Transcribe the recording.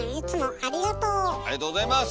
ありがとうございます！